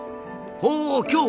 ほう！